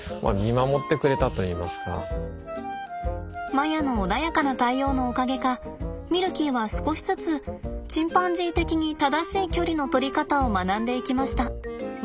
マヤの穏やかな対応のおかげかミルキーは少しずつチンパンジー的に正しい距離の取り方を学んでいきました。